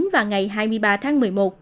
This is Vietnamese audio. và ngày hai mươi ba tháng một mươi một